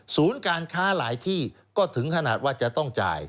การค้าหลายที่ก็ถึงขนาดว่าจะต้องจ่าย